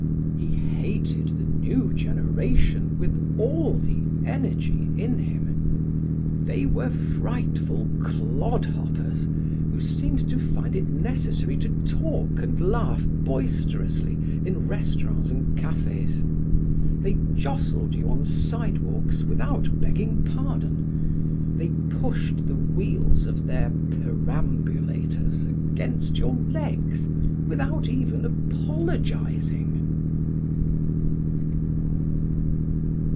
He hated the new generation with all the energy in him. They were frightful clodhoppers who seemed to find it necessary to talk and laugh boisterously in restaurants and cafes. They jostled you on sidewalks without begging pardon. They pushed the wheels of their perambulators against your legs, without even apologizing.